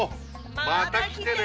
また来てね！